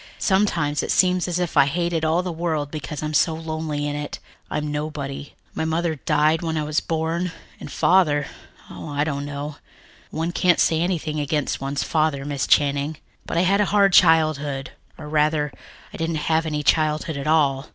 Sometimes it seems as if I hated all the world because I'm so lonely in it. I'm nobody. My mother died when I was born and Father oh, I don't know. One can't say anything against one's father, Miss Channing. But I had a hard childhood or rather, I didn't have any childhood at all.